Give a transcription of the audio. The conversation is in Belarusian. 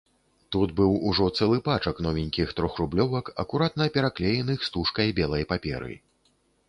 Тут быў ужо цэлы пачак новенькіх трохрублёвак, акуратна пераклееных стужкай белай паперы.